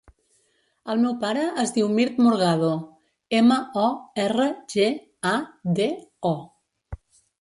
El meu pare es diu Mirt Morgado: ema, o, erra, ge, a, de, o.